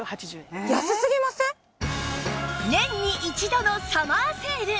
年に一度のサマーセール！